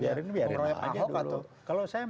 biarin biarin aja dulu